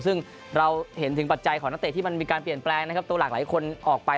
ซึ่งเราเห็นถึงปัจจัยของนักเตะที่มันมีการเปลี่ยนแปลงนะครับตัวหลากหลายคนออกไป